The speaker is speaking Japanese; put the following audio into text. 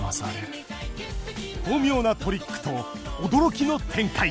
巧妙なトリックと驚きの展開。